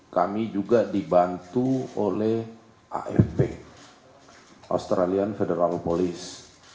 kami juga dibantu oleh afp australian federal police